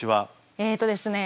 えっとですね